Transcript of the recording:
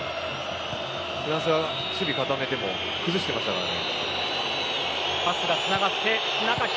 フランスが守備を固めても崩してましたね。